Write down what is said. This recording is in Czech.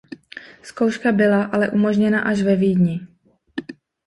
Zkouška byla ale umožněna až ve Vídni.